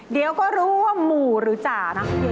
เดี๋ยวก็รู้ว่าหมู่หรือจ่านะคะ